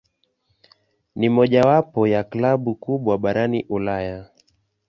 Ni mojawapo ya klabu kubwa barani Ulaya.